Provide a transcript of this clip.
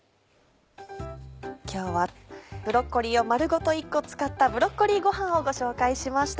今日はブロッコリーを丸ごと１個使った「ブロッコリーごはん」をご紹介しました。